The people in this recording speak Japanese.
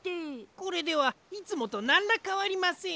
これではいつもとなんらかわりません。